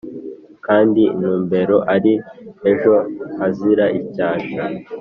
Kandi intumbero ari ejo Hazira icyasha